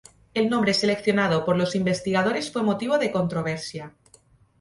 El nombre seleccionado por los investigadores fue motivo de controversia.